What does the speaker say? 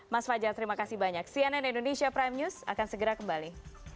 mas fajar terima kasih banyak cnn indonesia prime news akan segera kembali